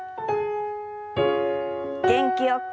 元気よく。